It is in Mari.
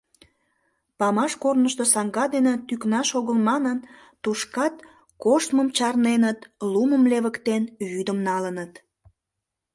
Памаш корнышто саҥга дене тӱкнаш огыл манын, тушкат коштмым чарненыт, лумым левыктен, вӱдым налыныт.